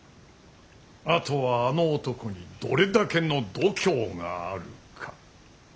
あとはあの男にどれだけの度胸があるか。